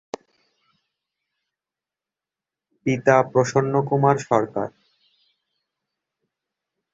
পিতা প্রসন্নকুমার সরকার।